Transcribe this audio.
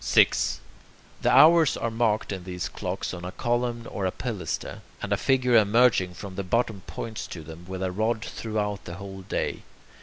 6. The hours are marked in these clocks on a column or a pilaster, and a figure emerging from the bottom points to them with a rod throughout the whole day.